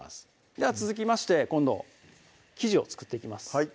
では続きまして今度生地を作っていきます